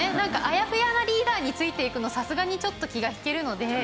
あやふやなリーダーについていくのさすがにちょっと気が引けるので。